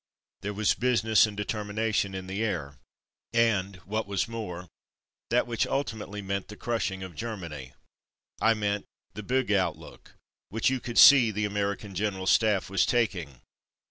There was business and determination in the air, and what was more, that which ulti mately meant the crushing of Germany — I Yanks in Training 265 mean the ''big outlook" which you could see the American General Staff was taking.